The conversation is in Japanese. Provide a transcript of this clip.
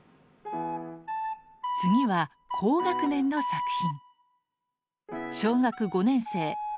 次は高学年の作品。